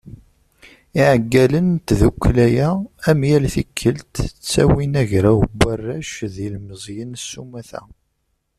Iεeggalen n tdukkla-a, am yal tikkelt, ttawin agraw n warrac d yilemẓiyen s umata.